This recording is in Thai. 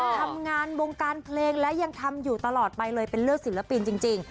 ทำงานวงการเพลงและยังทำอยู่ตลอดไปเลยเป็นเลือดศิลปินจริง